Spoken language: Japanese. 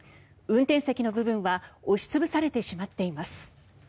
運転席の部分は押し潰されてしまっています。